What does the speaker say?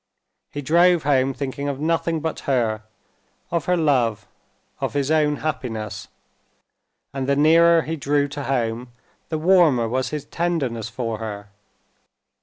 He drove home thinking of nothing but her, of her love, of his own happiness, and the nearer he drew to home, the warmer was his tenderness for her.